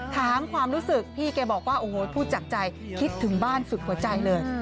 ถามความรู้สึกพี่แกบอกว่าโอ้โหพูดจากใจคิดถึงบ้านสุดหัวใจเลย